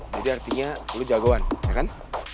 jadi artinya lo jagoan ya kan